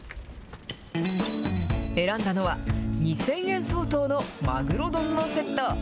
選んだのは、２０００円相当のマグロ丼のセット。